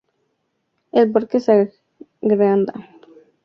El parque se agranda, se edifica una iglesia protestante y una capilla ortodoxa.